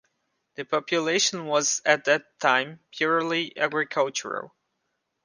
The population was at that time purely agricultural.